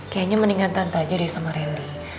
kayaknya mendingan tanta aja deh sama randy